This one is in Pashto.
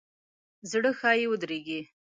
زړه ښایي ودریږي.